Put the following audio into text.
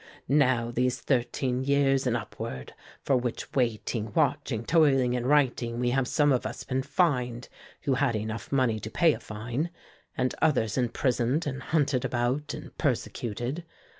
now these thirteen years and upward, for the which waiting, watching, toiling and writing we have some of us been fined, who had money enough to pay a fine, and others imprisoned and hunted about and persecuted.